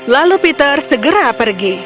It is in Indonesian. lalu peter segera pergi